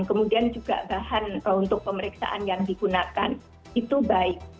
kemudian juga bahan untuk pemeriksaan yang digunakan itu baik